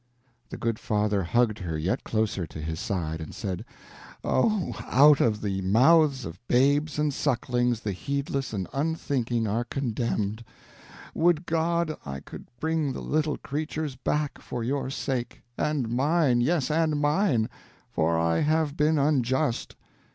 The good father hugged her yet closer to his side and said: "Oh, out of the mouths of babes and sucklings the heedless and unthinking are condemned; would God I could bring the little creatures back, for your sake. And mine, yes, and mine; for I have been unjust.